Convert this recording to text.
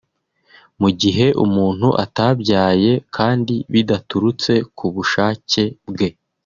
Mu gihe umuntu atabyaye kandi bidaturutse ku bushake bwe